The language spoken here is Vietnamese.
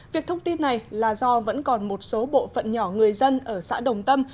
việc thông tin này là do vẫn còn một số bộ phận nhỏ người dân ở xã đồng tâm